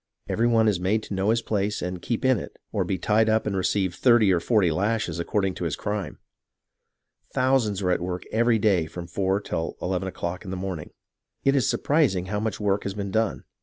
Every one is made to know his place and keep in it, or be tied up and receive thirty or forty lashes according to his crime. Thousands are at work every day from four till eleven o'clock in the morning. It is surprising how much work has been done.